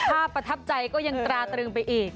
ประทับใจก็ยังตราตรึงไปอีก